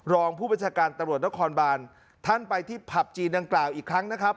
รองผู้บัญชาการตำรวจนครบานท่านไปที่ผับจีนดังกล่าวอีกครั้งนะครับ